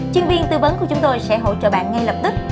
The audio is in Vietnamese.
chuyên viên tư vấn của chúng tôi sẽ hỗ trợ bạn ngay lập tức